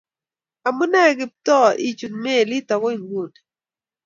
Amune Kiptooo ichut melit agoi guni?